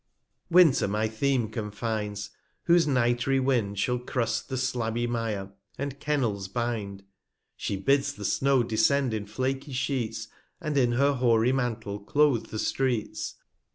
Winter my Theme confines; whose nitry Wind Shall crust the slabby Mire, and Kennels bind ; She bids the Snow descend in flaky Sheets, And in her hoary Mantle cloath the Streets.